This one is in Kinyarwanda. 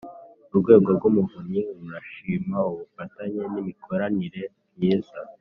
Urwego rw Umuvunyi rurashima ubufatanye n imikoranire myiza